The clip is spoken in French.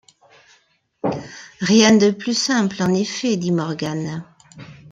Rien de plus simple, en effet, dit Morgan.